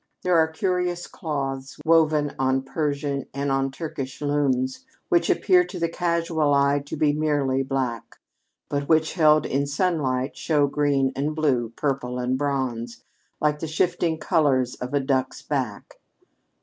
There are curious cloths woven on Persian and on Turkish looms which appear to the casual eye to be merely black, but which held in sunlight show green and blue, purple and bronze, like the shifting colors on a duck's back.